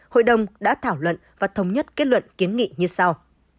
hội đồng đã thảo luận và thống nhất kết luận kiến nghị như sau